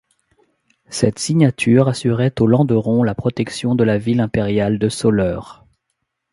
Cette signature assurait au Landeron la protection de la Ville impériale de Soleure.